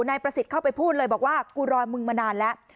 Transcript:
นายประสิทธิ์เข้าไปพูดเลยบอกว่ากูรอมึงมานานแล้ว